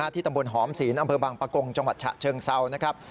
ตำบลหอมศีลอำเภอบางปะกงจังหวัดฉะเชิงเซานะครับ